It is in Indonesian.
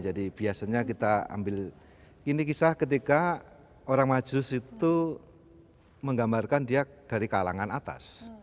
jadi biasanya kita ambil ini kisah ketika orang matius itu menggambarkan dia dari kalangan atas